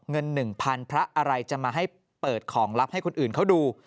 เงิน๑๐๐๐พระอะไรจะมาให้เปิดของลับให้คนอื่นเขาดู